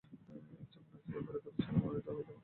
একজন match referee প্রাতিষ্ঠানিকভাবে মনোনীত হয়ে থাকেন।